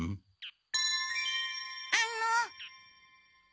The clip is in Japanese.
あの。